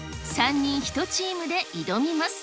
３人１チームで挑みます。